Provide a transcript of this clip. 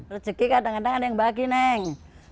rezeki kadang kadang yang bahagia neng